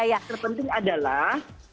yang penting adalah